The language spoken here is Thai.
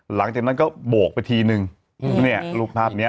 หลังจากนั้นก็โบกไปทีนึงเนี่ยรูปภาพเนี้ย